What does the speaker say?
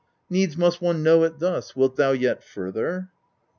Needs must one know it thus, wilt thou yet further